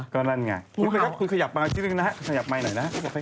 ก็อย่างนี้ไม่ใช่หนอนหรอกยาวอย่างนี้